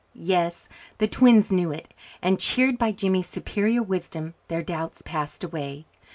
Yes, the twins knew it and, cheered by Jimmy's superior wisdom, their doubts passed away.